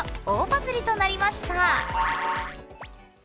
大バズりとなりました。